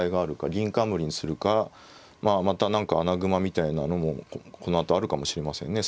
銀冠にするかまあまた何か穴熊みたいなのもこのあとあるかもしれませんね。